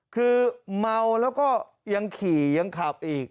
คือเมาแล้วก็ยังขี่ยังขับอีก